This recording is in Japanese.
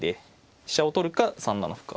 飛車を取るか３七歩か。